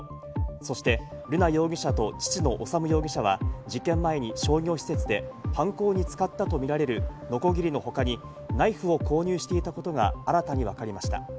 そして瑠奈容疑者と父の修容疑者は、事件前に商業施設で犯行に使ったとみられる、のこぎりの他に、ナイフを購入していたことが新たにわかりました。